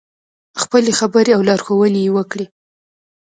خپلې خبرې او لارښوونې یې وکړې.